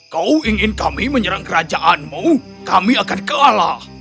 kau ingin kami menyerang kerajaanmu kami akan kalah